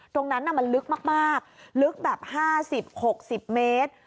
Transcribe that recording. ตรงนั้นมันลึกมากลึกแบบ๕๐๖๐เมตร